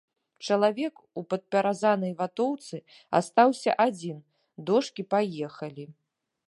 Чалавек у падпяразанай ватоўцы астаўся адзін, дошкі паехалі.